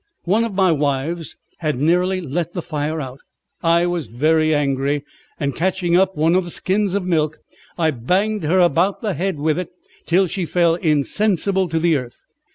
One of my wives had nearly let the fire out. I was very angry, and catching up one of the skins of milk, I banged her about the head with it till she fell insensible to the earth.